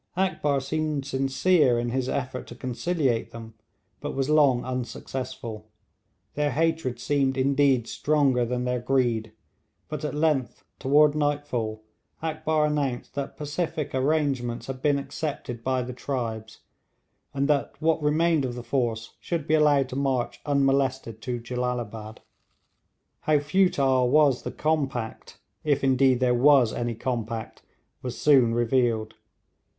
Akbar seemed sincere in his effort to conciliate them, but was long unsuccessful. Their hatred seemed indeed stronger than their greed; but at length toward nightfall Akbar announced that pacific arrangements had been accepted by the tribes, and that what remained of the force should be allowed to march unmolested to Jellalabad. How futile was the compact, if indeed there was any compact, was soon revealed.